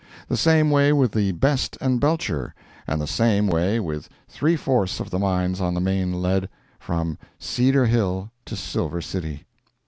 The same way with the Best & Belcher, and the same way with three fourths of the mines on the main lead, from Cedar Hill to Silver City.